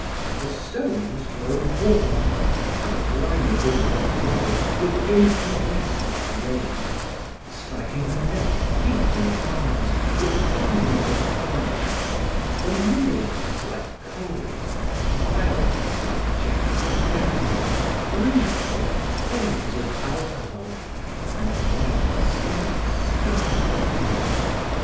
The stones grow warm, outlining the woman's body with incandescent rays, striking her neck, feet and arms with tongues of fire, vermilions like coals, violets like jets of gas, blues like flames of alcohol, and whites like star light.